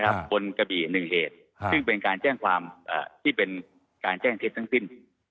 บนกระบี่๑เหตุซึ่งเป็นการแจ้งความที่เป็นการแจ้งเท็จทั้งสิ้น